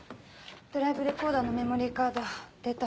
ドライブレコーダーのメモリーカードデータ